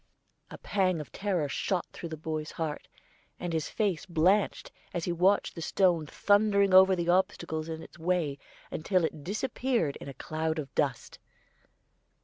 A pang of terror shot through the boy's heart, and his face blanched, as he watched the stone thundering over the obstacles in its way until it disappeared in a cloud of dust.